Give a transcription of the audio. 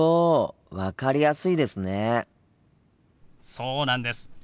そうなんです。